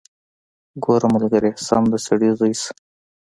ګوره ملګريه سم د سړي زوى شه.